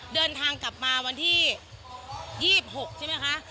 เดินทางกลับมาวันที่๒๖ใช่ไหมคะ